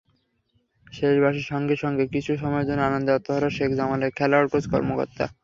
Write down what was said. শেষ বাঁশির সঙ্গে সঙ্গে কিছু সময়ের জন্য আনন্দে আত্মহারা শেখ জামালের খেলোয়াড়–কোচ–কর্মকর্তারা।